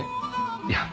いや。